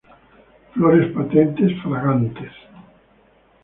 Flores patentes, fragantes.